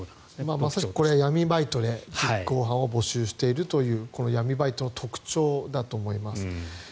まさしく闇バイトで実行犯を募集しているという闇バイトの特徴だと思います。